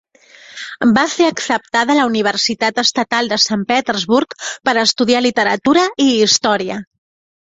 Va ser acceptada la Universitat Estatal de Sant Petersburg per estudiar literatura i història.